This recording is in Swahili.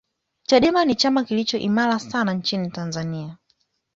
chadema ni chama kilicho imara sana nchini tanzania